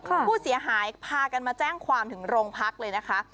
ผู้เสียหายพากันมาแจ้งความถึงโรงพักเลยนะคะ